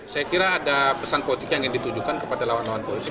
saya kira ada pesan politik yang ingin ditujukan kepada lawan lawan politik